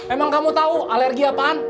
emang kamu tahu alergi apaan